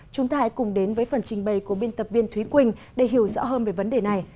chúng ta hãy cùng đến với phần trình bày của biên tập viên thúy quỳnh để hiểu rõ hơn về vấn đề này